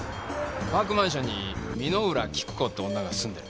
パークマンションに箕浦喜久子って女が住んでる。